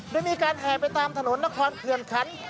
ได้มีการแห่ไปตามถนนนครเขื่อนขัน